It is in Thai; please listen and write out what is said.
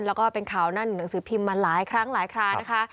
แล้วก็เป็นข่าวนั่นหนังสือพิมพ์มาหลายครั้งหลายครานะคะ